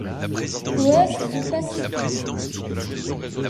Ouest du Pacifique.